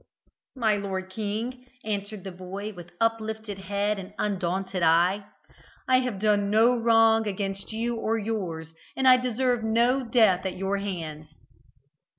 "My lord king," answered the boy, with uplifted head and undaunted eye, "I have done no wrong against you or yours, and I deserve no death at your hands."